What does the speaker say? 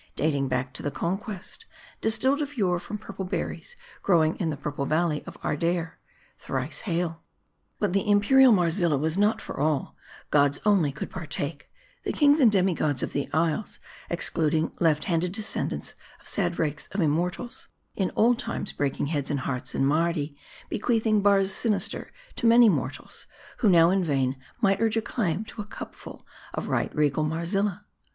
'Dating back to the Conquest ! Distilled of yore from purple berries growing in the purple valley of Ardair ! Thrice hail. But the imperial Marzilla was not for all ; gods only could ^partake ; the Kings and demigods of the isles ; ex cluding left handed descendants of sad rakes of immortals, in old times breaking heads and hearts in Mardi, bequeathing bars sinister to many mortals, who now in vain might urge a claim to a cup full of right regal Marzilla.